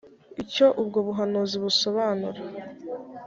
icyo ubwo buhanuzi busobanura